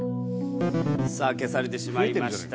さあ消されてしまいました。